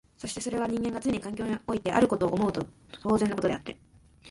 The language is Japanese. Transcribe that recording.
そしてそれは人間がつねに環境においてあることを思うと当然のことであって、